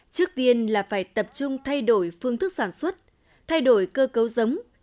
trước tiên là phải tập trung thay đổi phương thức sản xuất thay đổi cơ cấu giống